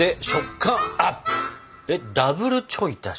ダブルちょい足し？